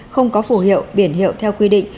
không có phủ hiệu biển hiệu theo quy định